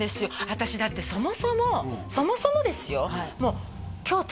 私だってそもそもそもそもですよ